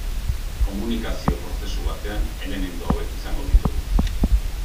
Komunikazio-prozesu batean, elementu hauek izango ditugu.